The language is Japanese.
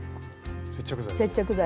接着剤。